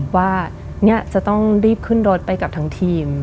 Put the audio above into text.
ว่าเนี่ยจะต้องรีบขึ้นรถไปกับทั้งทีม